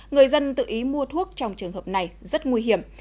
người dân tự ý mua thuốc trong trường hợp này rất nguy hiểm